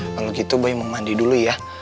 kalau gitu bayi mau mandi dulu ya